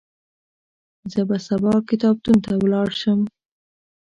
زه به سبا کتابتون ته ولاړ شم.